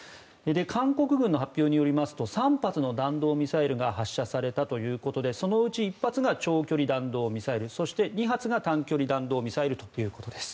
韓国軍の発表によりますと３発の弾道ミサイルが発射されたということでそのうち１発が長距離弾道ミサイルそして２発が短距離弾道ミサイルということです。